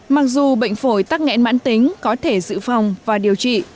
mặc dù bệnh phổi tắc nghẽn mãn tính có thể dự phòng và điều trị